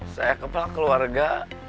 saya kepala keluarga